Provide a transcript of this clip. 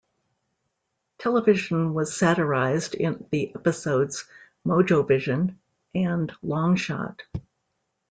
Television was satirized in the episodes "Mojovision" and "Longshot".